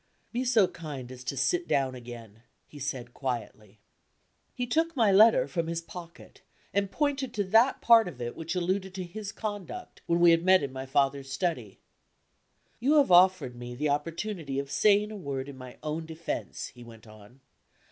"Be so kind as to sit down again," he said quietly. He took my letter from his pocket, and pointed to that part of it which alluded to his conduct, when we had met in my father's study. "You have offered me the opportunity of saying a word in my own defense," he went on.